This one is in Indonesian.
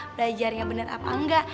belajarnya bener apa enggak